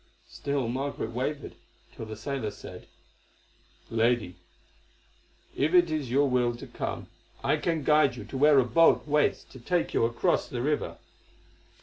Still Margaret wavered, till the sailor said: "Lady, if it is your will to come, I can guide you to where a boat waits to take you across the river.